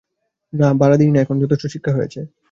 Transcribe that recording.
না, বাড়ি ভাড়া দিই না এখন, যথেষ্ট শিক্ষা হয়েছে।